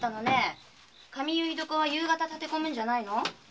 髪結床は夕方立て混むんじゃないの？